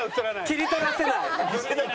切り取らせない。